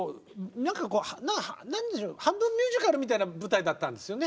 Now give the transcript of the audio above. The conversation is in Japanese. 何でしょう半分ミュージカルみたいな舞台だったんですよね。